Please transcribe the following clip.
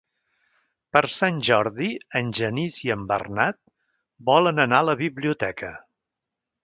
Per Sant Jordi en Genís i en Bernat volen anar a la biblioteca.